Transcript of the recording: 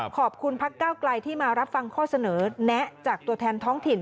ขอบคุณพักเก้าไกลที่มารับฟังข้อเสนอแนะจากตัวแทนท้องถิ่น